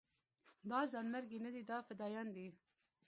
دا ځانمرګي نه دي دا فدايان دي.